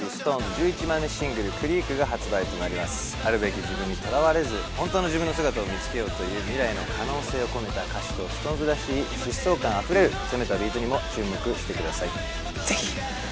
１１枚目シングル「ＣＲＥＡＫ」が発売となりますあるべき自分にとらわれず本当の自分の姿を見つけようという未来の可能性を込めた歌詞とＳｉｘＴＯＮＥＳらしい疾走感あふれる攻めたビートにも注目してくださいぜひ！